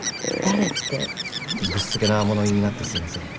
ぶしつけな物言いになってすいません。